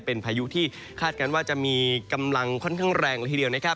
เป็นพายุที่คาดการณ์ว่าจะมีกำลังค่อนข้างแรงละทีเดียวนะครับ